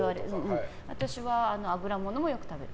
私は油ものもよく食べる。